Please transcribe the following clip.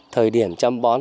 thời điểm chăm bón